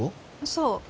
そう。